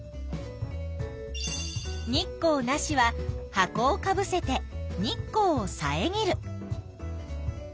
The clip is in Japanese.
「日光なし」は箱をかぶせて日光をさえぎる。